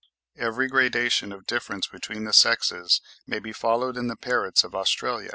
(23. Every gradation of difference between the sexes may be followed in the parrots of Australia.